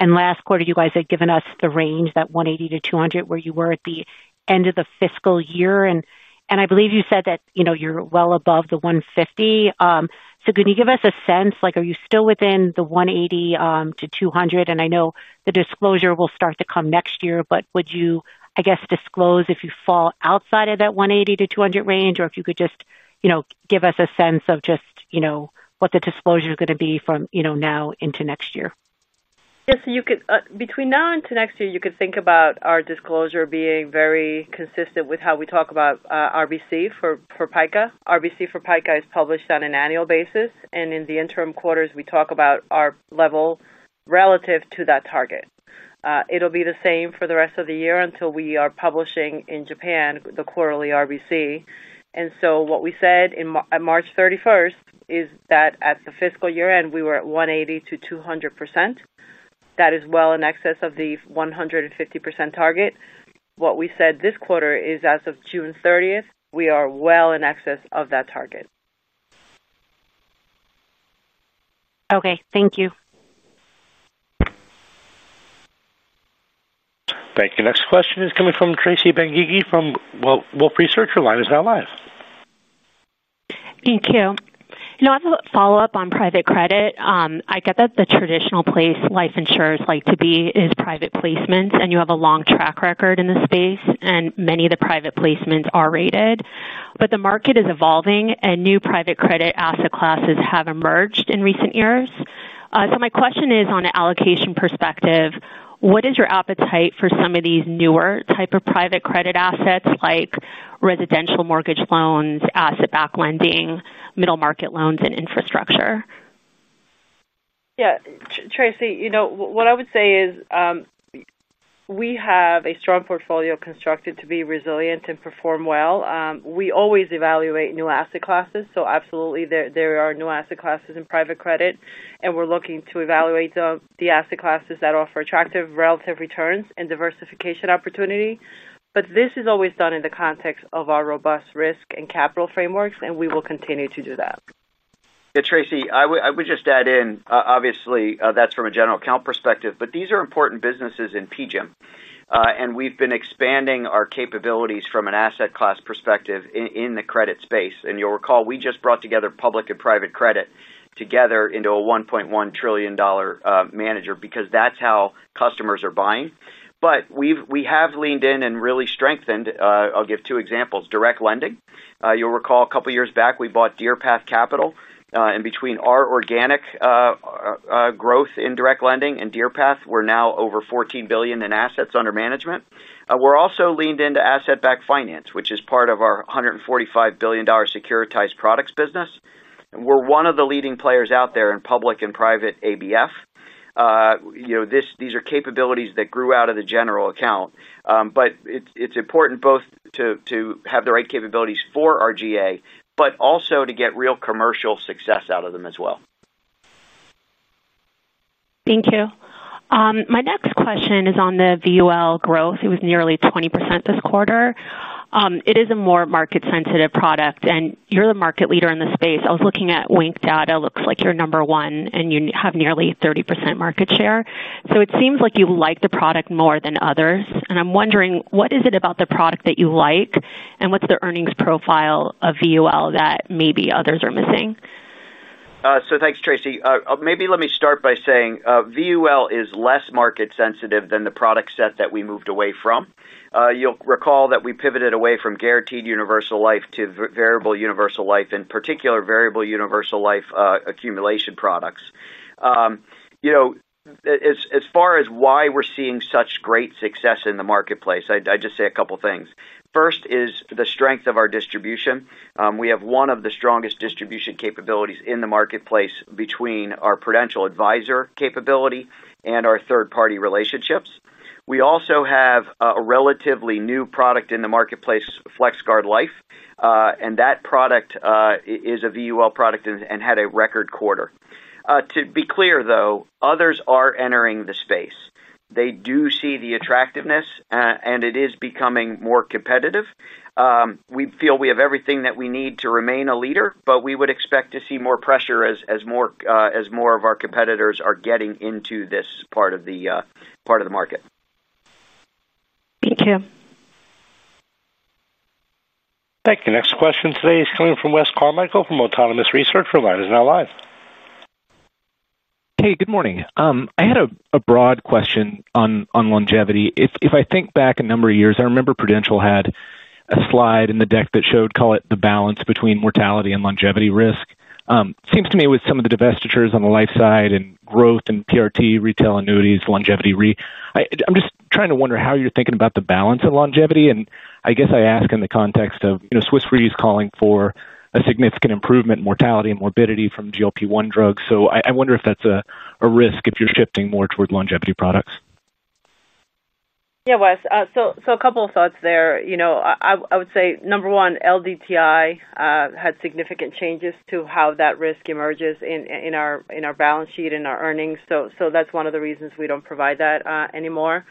Last quarter you guys had given us the range that 180%-200% where you were at the end of the fiscal year. I believe you said that you're well above the 150. Can you give us a sense, are you still within the 180%-200%? I know the disclosure will start to come next year, but would you disclose if you fall outside of that 180%-200% range or if you could just give us a sense of just what the disclosure is going to be from now into next year. Yes, between now into next year you could think about our disclosure being very consistent with how we talk about RBC for PICA. RBC for PICA is published on an annual basis, and in the interim quarters we talk about our level relative to that target. It will be the same for the rest of the year until we are publishing in Japan the quarterly RBC. What we said at March 31 is that at the fiscal year end we were at 180%-200%. That is well in excess of the 150% target. What we said this quarter is as of June 30th we are well in excess of that target. Okay, thank you. Thank you. Next question is coming from Tracy Benguigui from Wolfe Research. Line is now live. Thank you. I have a follow-up on private credit. I get that the traditional place life insurers like to be is private placements. You have a long track record in the space, and many of the private placements are rated. The market is evolving, and new private credit asset classes have emerged in recent years. My question is, from an allocation perspective, what is your appetite for some of the newer types of private credit assets like residential mortgage loans, asset-backed lending, middle market loans, and infrastructure? Yeah, Tracy, you know what I would say is we have a strong portfolio constructed to be resilient and perform well. We always evaluate new asset classes. Absolutely, there are no asset classes in private credit, and we're looking to evaluate the asset classes that offer attractive relative returns and diversification opportunity. This is always done in the context of our robust risk and capital frameworks, and we will continue to do that. Tracy, I would just add in, obviously that's from a general account perspective. These are important businesses in PGIM and we've been expanding our capabilities from an asset class perspective in the credit space. You'll recall we just brought together public and private credit into a $1.1 trillion manager because that's how customers are buying. We have leaned in and really strengthened. I'll give two examples. Direct lending. You'll recall a couple years back we bought DeerPath Capital, and between our organic growth in direct lending and DeerPath, we're now over $14 billion in assets under management. We've also leaned into asset-backed finance, which is part of our $145 billion securitized products business. We're one of the leading players out there in public and private ABF. These are capabilities that grew out of the general account. It's important both to have the right capabilities for RGA, but also to get real commercial success out of them as well. Thank you. My next question is on the VUL growth. It was nearly 20% this quarter. It is a more market sensitive product and you're the market leader in the space. I was looking at Wink data. Looks like you're number one and you have nearly 30% market share. It seems like you like the product more than others. I'm wondering what is it about the product that you like and what's the earnings profile of VUL that maybe others are missing? Thanks, Tracy. Maybe let me start by saying VUL is less market sensitive than the product set that we moved away from. You'll recall that we pivoted away from guaranteed universal life to variable universal life, in particular variable universal life accumulation products. As far as why we're seeing such great success in the marketplace, I'd just say a couple things. First is the strength of our distribution. We have one of the strongest distribution capabilities in the marketplace between our products, Prudential Advisors capability, and our third-party relationships. We also have a relatively new product in the marketplace, FlexGuard Life, and that product is a VUL product and had a record quarter. To be clear, though others are entering the space, they do see the attractiveness and it is becoming more competitive. We feel we have everything that we need to remain a leader. We would expect to see more pressure as more of our competitors are getting into this part of the market. Thank you. Thank you. Next question today is coming from Wes Carmichael from Autonomous Research, now live. Hey, good morning. I had a broad question on longevity. If I think back a number of years, I remember Prudential had a slide in the deck that showed, call it, the balance between mortality and longevity risk. It seems to me with some of the divestitures on the life side and growth in Pension risk transfer, retail annuities, longevity re. I'm just trying to wonder how you're thinking about the balance of longevity. I guess I ask in the context of Swiss Re is calling for a significant improvement in mortality and morbidity from GLP1 drugs. I wonder if that's a risk, if you're shifting more toward longevity products. Yeah, Wes, a couple of thoughts there. I would say, number one, LDTI had significant changes to how that risk emerges in our balance sheet and our earnings. That's one of the reasons we don't provide that anymore.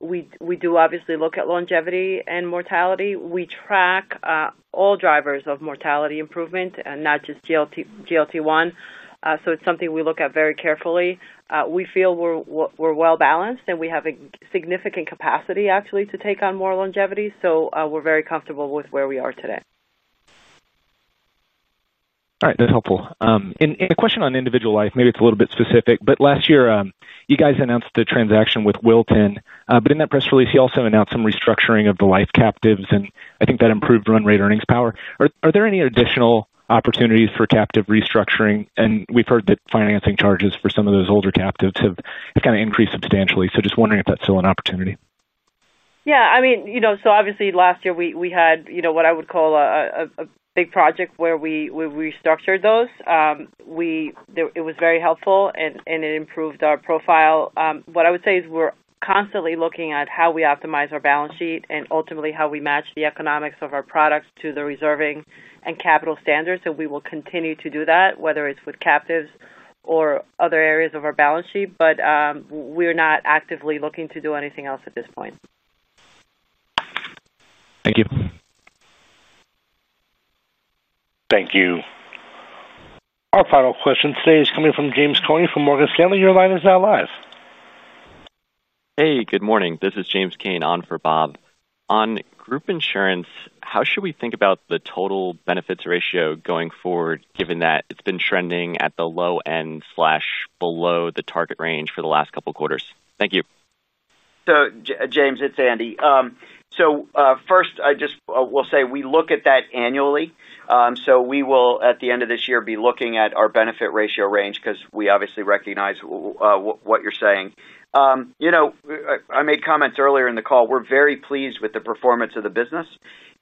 We do obviously look at longevity and mortality. We track all drivers of mortality improvement, not just GLT1. It's something we look at very carefully. We feel we're well balanced and we have a significant capacity actually to take on more longevity. We're very comfortable with where we are today. All right, that's helpful. A question on individual life. Maybe it's a little bit specific, but last year you guys announced the transaction with Wilton. In that press release you also announced some restructuring of the life captives, and I think that improved run-rate earnings power. Are there any additional opportunities for captive restructuring? We've heard that financing charges for some of those older captives have kind of increased substantially. Just wondering if that's still an opportunity. I mean, obviously last year we had what I would call a big project where we restructured those. It was very helpful, and it improved our profile. What I would say is we're constantly looking at how we optimize our balance sheet and ultimately how we match the economics of our products to the reserving and capital standards. We will continue to do that whether it's with captives or other areas of our balance sheet. We're not actively looking to do anything else at this point. Thank you. Thank you. Our final question today is coming from James Cain from Morgan Stanley. Your line is now live. Hey, good morning, this is James Cain on for Bob on Group Insurance. How should we think about the total benefits ratio going forward given that it's been trending at the low end below the target range for the last couple quarters? Thank you. James, it's Andy. First, I just will say we look at that annually. At the end of this year, we will be looking at our benefit ratio range because we obviously recognize what you're saying. I made comments earlier in the call. We're very pleased with the performance of the business.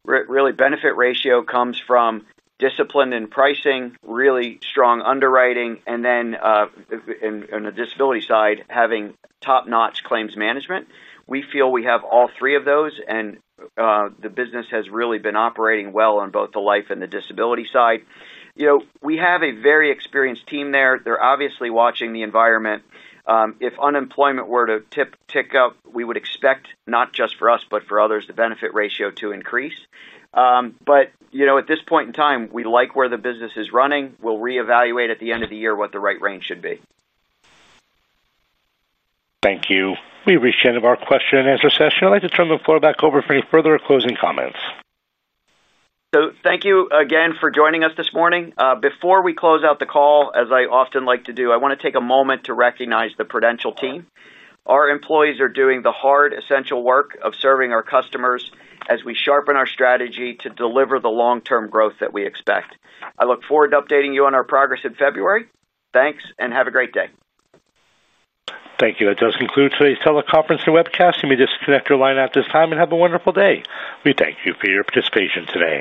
Really, benefit ratio comes from discipline in pricing, really strong underwriting, and then on the disability side, having top notch claims management. We feel we have all three of those, and the business has really been operating well on both the life and the disability side. We have a very experienced team there. They're obviously watching the environment. If unemployment were to tick up, we would expect not just for us, but for others, the benefit ratio to increase. At this point in time, we like where the business is running. We'll reevaluate at the end of the year what the right range should be. Thank you. We've reached the end of our question and answer session. I'd like to turn the floor back over for any further closing comments. Thank you again for joining us this morning. Before we close out the call, as I often like to do, I want to take a moment to recognize the Prudential team. Our employees are doing the hard, essential work of serving our customers as we sharpen our strategy to deliver the long-term growth that we expect. I look forward to updating you on our progress in February. Thanks and have a great day. Thank you. That does conclude today's teleconference and webcast. You may disconnect your line at this time and have a wonderful day. We thank you for your participation today.